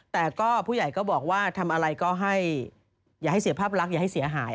แต่ก็ผู้ใหญ่ก็บอกว่าทำอะไรก็ให้อย่าให้เสียภาพลักษณ์อย่าให้เสียหาย